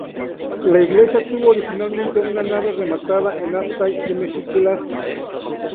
La iglesia tuvo originalmente una nave rematada en ábside semicircular.